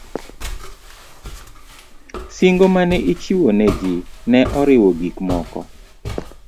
Singo ma ne ichiwo ne ji ne oriwo gik moko